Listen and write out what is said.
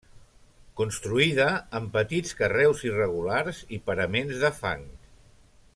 Construïda amb petits carreus irregulars i paraments de fang.